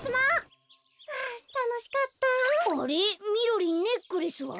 みろりんネックレスは？